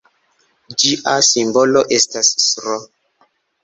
Ĝia simbolo estas sr.